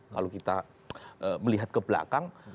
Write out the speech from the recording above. kalau kita melihat ke belakang